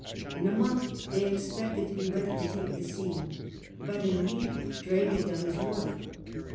In a month they expected to be ready to take the sea, but in a week Drake had done his work.